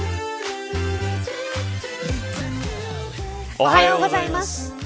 おはようございます。